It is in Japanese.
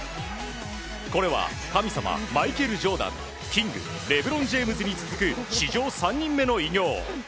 これは神様マイケル・ジョーダンキングレブロン・ジェームズに続く史上３人目の偉業。